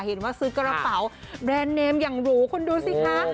เห็นว่าซื้อกระเป๋าแบรนด์เนมอย่างหรูคุณดูสิคะ